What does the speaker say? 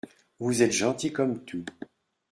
Vous êtes gentil comme tout.